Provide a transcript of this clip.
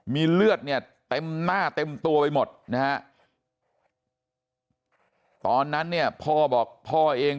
มีเลือดเนี่ยเต็มหน้าเต็มตัวไปหมดนะฮะตอนนั้นเนี่ยพ่อบอกพ่อเอง